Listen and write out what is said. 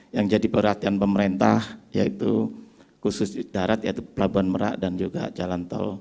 yang jadi perhatian pemerintah yaitu khusus di darat yaitu pelabuhan merak dan juga jalan tol